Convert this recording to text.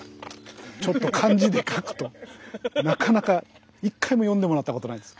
ちょっと漢字で書くとなかなか一回も読んでもらったことないです。